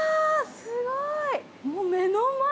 すごい！